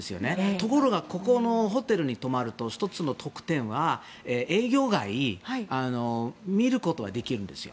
ところがここのホテルに泊まると１つの特典は営業外見ることができるんですよ。